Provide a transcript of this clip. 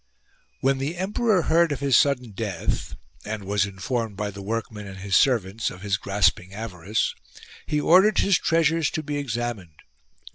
When the emperor heard of his sudden death, and was informed by the workmen and his servants of his grasping avarice, he ordered his treasures to be ex amined.